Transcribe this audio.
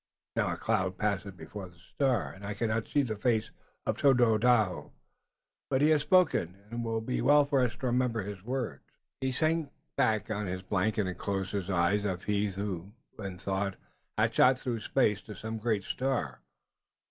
Now a cloud passes before the star, and I cannot see the face of Tododaho, but he has spoken, and it will be well for us to remember his words." He sank back on his blanket and closed his eyes as if he, too, in thought, had shot through space to some great star.